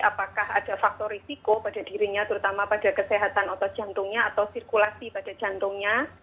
apakah ada faktor risiko pada dirinya terutama pada kesehatan otot jantungnya atau sirkulasi pada jantungnya